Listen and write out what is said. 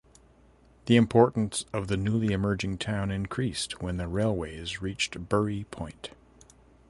The importance of the newly emerging town increased when the railways reached Burry Port.